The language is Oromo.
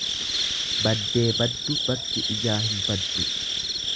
Baddee baddu bakki ijaa hin baddu.